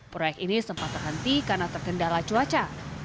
proyek ini sempat terhenti karena terkendala cuaca